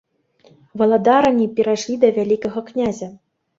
Валадаранні перайшлі да вялікага князя.